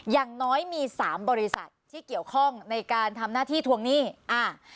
อย่างน้อยมีสามบริษัทที่เกี่ยวข้องในการทำหน้าที่ทวงหนี้อ่า